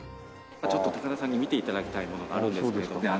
ちょっと高田さんに見て頂きたいものがあるんですけれども。